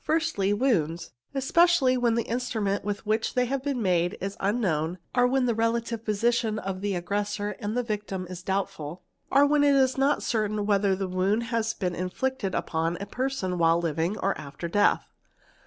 Firstly, wounds, _ especially when the instrument with which they have been made is unknown or when the relative position of the aggressor and the victim is doubtful, or when it is not certain whether the wound has been in _ flicted upon a person while living or after death.